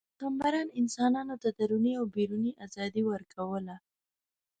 پیغمبران انسانانو ته دروني او بیروني ازادي ورکوله.